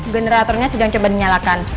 generatornya sedang coba dinyalakan